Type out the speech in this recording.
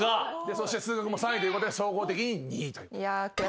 そして数学も３位ということで総合的に２位。